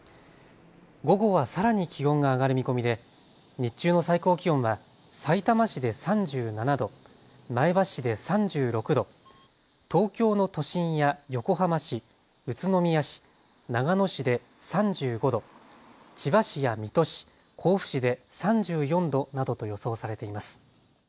午後はさらに気温が上がる見込みで日中の最高気温はさいたま市で３７度、前橋市で３６度、東京の都心や横浜市、宇都宮市、長野市で３５度、千葉市や水戸市、甲府市で３４度などと予想されています。